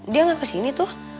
dia gak ke sini tuh